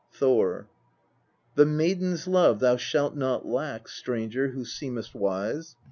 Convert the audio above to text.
Thor. 8. The maiden's love thou shalt not lack, stranger, who seemest wise